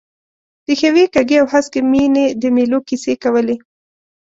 د ښیوې، کږې او هسکې مېنې د مېلو کیسې کولې.